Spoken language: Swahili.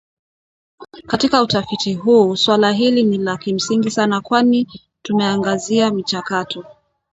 Katika utafiti huu swala hili ni la kimsingi sana kwani tumeangazia michakato